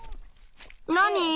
なに？